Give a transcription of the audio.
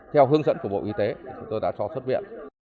theo hướng dẫn của bộ y tế chúng tôi đã cho xuất viện